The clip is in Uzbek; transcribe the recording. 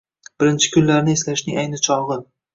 Birinchi kunlarni eslashning ayni chog`i